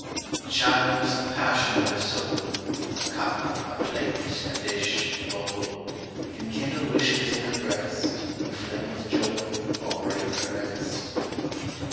China's the passion of her soul; A cup, a plate, a dish, a bowl, Can kindle wishes in her breast, Inflame with joy, or break her rest.